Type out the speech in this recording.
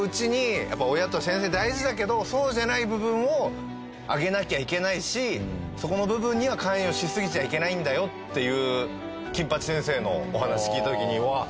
そうじゃない部分をあげなきゃいけないしそこの部分には関与しすぎちゃいけないんだよっていう金八先生のお話聞いた時にうわっ